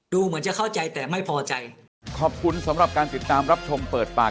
เหมือนจะเข้าใจแต่ไม่พอใจขอบคุณสำหรับการติดตามรับชมเปิดปาก